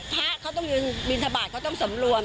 ภาคเขาต้องจึงบินธบาดเขาต้องสมรวม